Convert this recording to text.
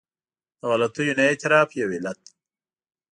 د غلطیو نه اعتراف یو علت دی.